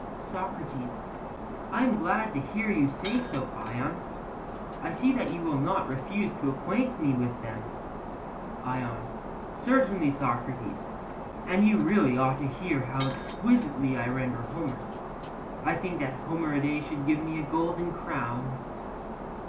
SOCRATES: I am glad to hear you say so, Ion; I see that you will not refuse to acquaint me with them. ION: Certainly, Socrates; and you really ought to hear how exquisitely I render Homer. I think that the Homeridae should give me a golden crown.